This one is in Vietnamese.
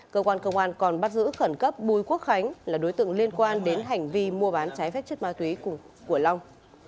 cơ quan công an còn bắt giữ khẩn cấp bùi quốc khánh là đối tượng liên quan đến hành vi mua bán trái phép chất ma túy cùng của long